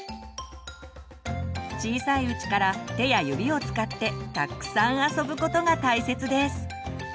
小さいうちから手や指を使ってたっくさん遊ぶことが大切です。